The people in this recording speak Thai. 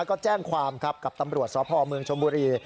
ก็แจ้งความครับกับตำรวจสพเมืองชมบุรี